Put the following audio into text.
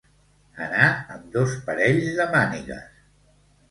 Anar amb dos parells de mànigues.